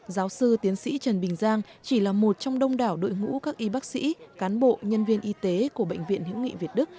giáo sư tiến sĩ trần bình giang chỉ là một trong đông đảo đội ngũ các y bác sĩ cán bộ nhân viên y tế của bệnh viện hữu nghị việt đức